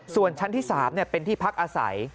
ส่วนชั้นที่๓เป็นที่พักอาศัย